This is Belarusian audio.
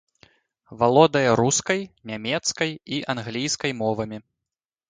Валодае рускай, нямецкай і англійскай мовамі.